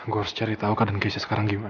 gue harus cari tau keadaan kece sekarang gimana